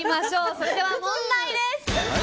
それでは、問題です。